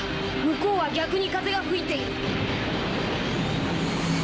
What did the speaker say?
向こうは逆に風が吹いている。